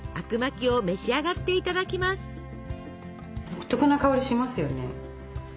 独特な香りしますよね。